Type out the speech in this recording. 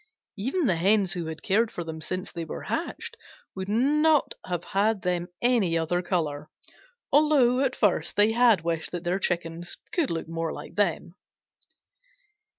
Even the Hens who had cared for them since they were hatched would not have had them any other color, although at first they had wished that their Chickens could look more like them.